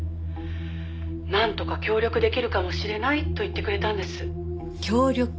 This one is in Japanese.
「なんとか協力できるかもしれないと言ってくれたんです」協力？